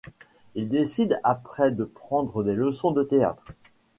Il décide après de prendre des leçons de théâtre.